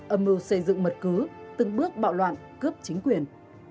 âm mưu xây dựng mật cứ từng bước bạo loạn cướp chính quyền